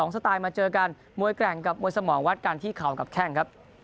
สไตล์มาเจอกันมวยแกร่งกับมวยสมองวัดกันที่เข่ากับแข้งครับ